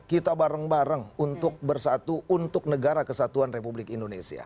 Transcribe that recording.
kita bareng bareng untuk bersatu untuk negara kesatuan republik indonesia